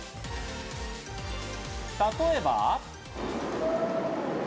例えば。